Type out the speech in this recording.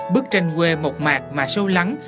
bức tranh quê mộc mạc mà sâu lắng